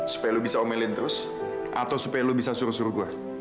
supaya lo bisa omelin terus atau supaya lo bisa suruh suruh gue